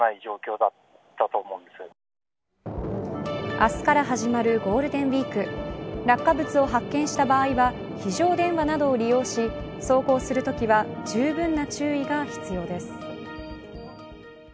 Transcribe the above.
明日から始まるゴールデンウイーク落下物を発見した場合は非常電話などを利用し走行するときはじゅうぶんな注意が必要です。